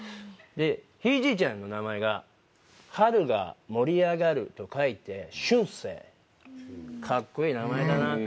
ひいじいちゃんの名前が春が盛り上がると書いて「春盛」かっこいい名前だな